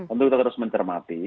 untuk kita terus mencermati